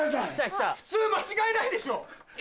普通間違えないでしょ！